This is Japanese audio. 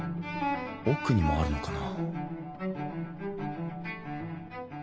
奥にもあるのかな？